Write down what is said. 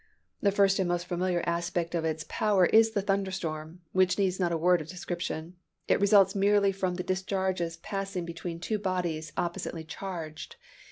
The first and most familiar aspect of its power is the thunder storm, which needs not a word of description. It results merely from the discharges passing between two bodies oppositely charged.